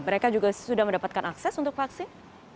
mereka juga sudah mendapatkan akses untuk vaksin